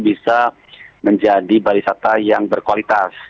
bisa menjadi pariwisata yang berkualitas